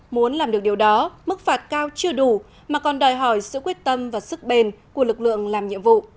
muốn làm được điều đó mức phạt cao chưa đủ mà còn đòi hỏi sự quyết tâm và sức bền của lực lượng làm nhiệm vụ